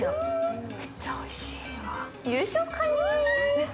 めっちゃおいしい。